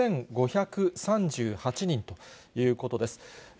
１万６５３８人ということです。